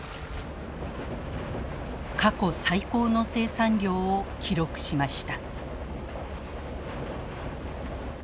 過去最高の生産量を記録しました。